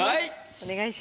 お願いします。